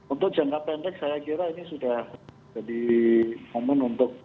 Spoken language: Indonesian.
untuk jangka pendek saya kira ini sudah jadi momen untuk